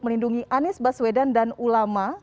melindungi anies baswedan dan ulama